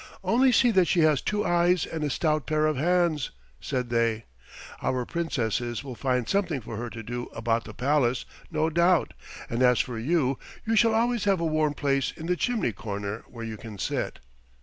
"Only see that she has two eyes and a stout pair of hands," said they. "Our Princesses will find something for her to do about the palace, no doubt, and as for you, you shall always have a warm place in the chimney corner where you can sit."